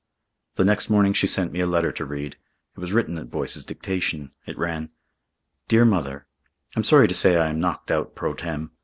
The next morning she sent me a letter to read. It was written at Boyce's dictation. It ran: "Dear Mother: "I'm sorry to say I am knocked out pro tem.